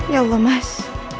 ya allah mas